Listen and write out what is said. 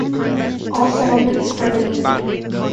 All settlements are inland.